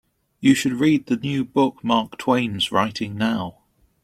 You should read the new book Mark Twain's writing now.